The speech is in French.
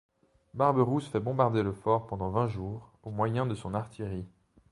Barberousse fait bombarder le fort pendant vingt jours, au moyen de son artillerie.